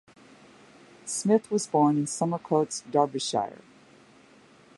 Smith was born in Somercotes, Derbyshire.